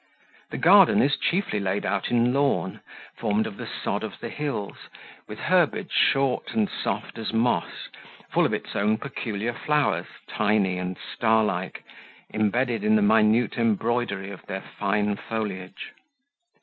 The garden is chiefly laid out in lawn, formed of the sod of the hills, with herbage short and soft as moss, full of its own peculiar flowers, tiny and starlike, imbedded in the minute embroidery of their fine foliage.